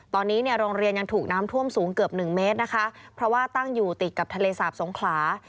ตอนนี้เนี่ยโรงเรียนยังถูกน้ำท่วมสูงเกือบหนึ่งเมตรนะคะเพราะว่าตั้งอยู่ติดกับทะเลสาบสงขลา